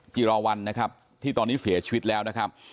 จิราวันนะครับที่ตอนนี้เสียชีวิตแล้วนะครับ